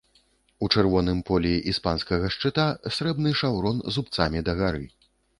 У чырвоным полі іспанскага шчыта срэбны шаўрон зубцамі дагары.